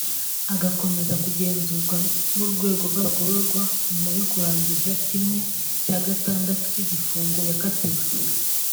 agakomeza kugenzurwa n’ urwego rw’ abagororwa nyuma yo kurangiza kimwe cya gatandatu cy’ igifungo yakatiwe